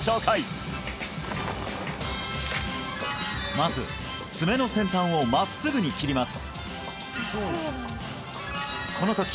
まず爪の先端を真っすぐに切ります